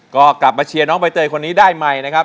ก็กลับมาเชียร์น้องใบเตยคนนี้ได้ใหม่นะครับ